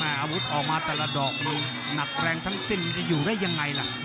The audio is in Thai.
อาวุธออกมาแต่ละดอกนี่หนักแรงทั้งสิ้นมันจะอยู่ได้ยังไงล่ะ